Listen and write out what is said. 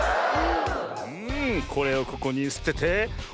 うんこれをここにすててワオー！